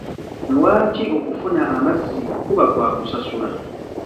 Lwaki okufuna amazzi kuba kwa kusasula?